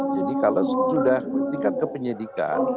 jadi kalau sudah tingkat kepenyidikan